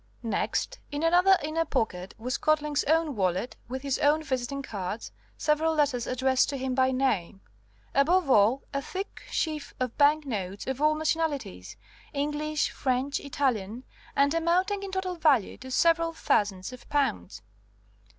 Next, in another inner pocket was Quadling's own wallet, with his own visiting cards, several letters addressed to him by name; above all, a thick sheaf of bank notes of all nationalities English, French, Italian, and amounting in total value to several thousands of pounds.